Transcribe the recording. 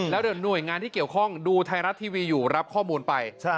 แล้วเดี๋ยวหน่วยงานที่เกี่ยวข้องดูไทยรัฐทีวีอยู่รับข้อมูลไป